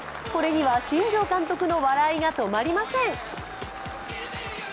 これには新庄監督も笑いが止まりません。